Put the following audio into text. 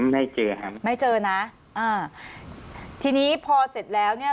ไม่เจอครับไม่เจอนะอ่าทีนี้พอเสร็จแล้วเนี่ย